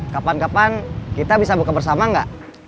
kapan kapan kita bisa buka bersama nggak